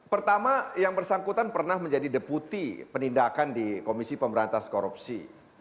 pertama yang bersangkutan pernah menjadi deputi penindakan di komisi pemberantas korupsi